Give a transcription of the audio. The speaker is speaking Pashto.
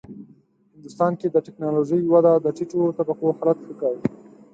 هندوستان کې د ټېکنالوژۍ وده د ټیټو طبقو حالت ښه کړ.